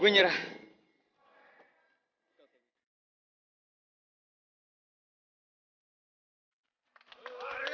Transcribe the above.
bentar lagi auflan